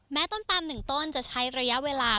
แม้ต้นปามหนึ่งต้นจะใช้ระยะเวลา